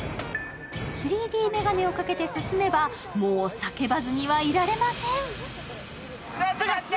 ３Ｄメガネをかけて進めば、もう叫ばずにはいられません。